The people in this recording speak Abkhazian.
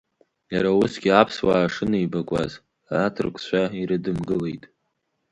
Иара усгьы аԥсуаа шынеибакәыз аҭырқәцәа ирыдымгылеит.